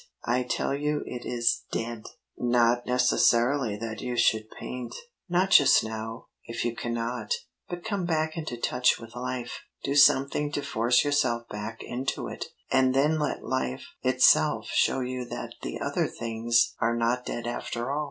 I tell you it is dead!" "Not necessarily that you should paint. Not just now, if you cannot. But come back into touch with life. Do something to force yourself back into it, and then let life itself show you that the other things are not dead after all."